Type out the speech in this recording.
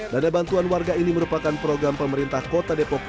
dana bantuan warga ini merupakan program pemerintah kota depok